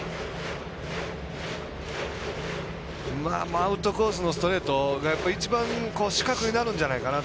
アウトコースのストレートが一番死角になるんじゃないかなと。